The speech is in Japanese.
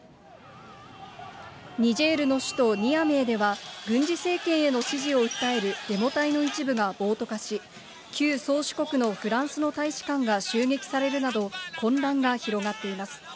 ニジェールの首都ニアメーでは、軍事政権への支持を訴えるデモ隊の一部が暴徒化し、旧宗主国のフランスの大使館が襲撃されるなど、混乱が広がっています。